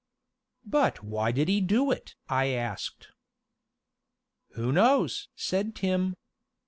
"But why did he do it?" I asked. "Who knows?" said Tim.